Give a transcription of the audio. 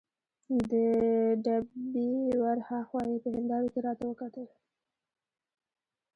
د ډبې ور هاخوا یې په هندارې کې راته وکتل.